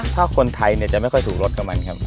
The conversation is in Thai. พ่อคนไทยจะไม่ค่อยถูกรสกับมันครับ